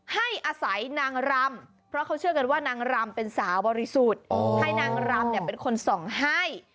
ให้อาศัยนางรำเพราะเขาเชื่อกันว่านางรำเป็นสาวบริสุทธิ์ให้นางรำเนี่ยเป็นคนส่องให้